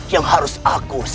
jadi aku kahut